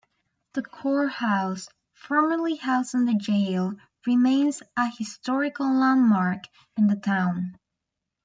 The courthouse, formerly housing the jail remains a historical landmark in the town.